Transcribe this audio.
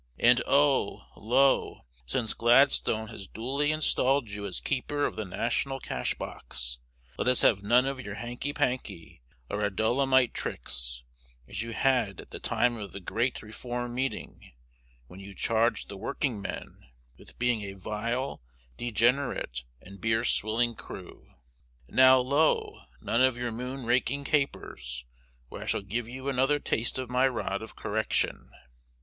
And oh, Lowe, since Gladstone has duly installed you as Keeper of the National Cash box, let us have none of your hanky panky or Adullamite tricks, as you had at the time of the great Reform Meeting, when you charged the working men with being a vile, degenerate, and beer swilling crew. Now, Lowe, none of your moon raking capers, or I shall give you another taste of my rod of correction.